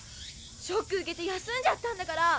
ショック受けて休んじゃったんだから。